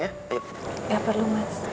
gak perlu mas